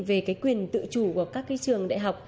về cái quyền tự chủ của các trường đại học